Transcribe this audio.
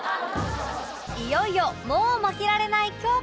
いよいよもう負けられない京子